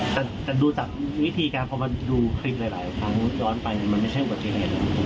แต่ดูจากวิธีการพอมาดูคลิปหลายครั้งย้อนไปมันไม่ใช่อุบัติเหตุ